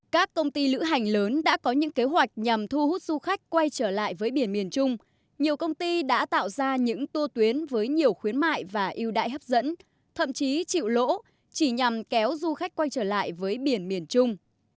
các công ty lữ hành lớn đã tạo ra những sản phẩm du lịch độc đáo hấp dẫn để thu hút du khách đến với biển miền trung